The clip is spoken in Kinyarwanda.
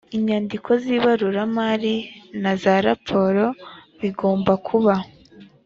inyandiko z ibaruramari na za raporo bigomba kuba